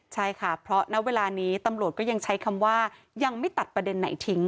ใช่ค่ะเพราะณเวลานี้ตำรวจก็ยังใช้คำว่ายังไม่ตัดประเด็นไหนทิ้ง